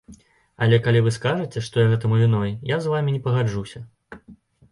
Але калі вы скажаце, што я гэтаму віной, я з вамі не пагаджуся.